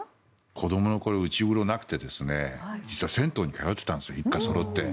子どもの頃内風呂がなくて実は銭湯に通っていたんですよ一家そろって。